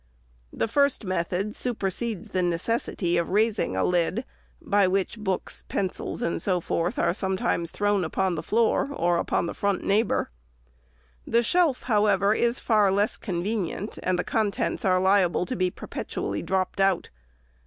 The first method supersedes the necessity of raising a lid, by which books, pencils, and so forth, are sometimes thrown upon the floor or upon the front neighbor. The shelf, however, is far less convenient, and the contents are liable to be perpetually dropped out.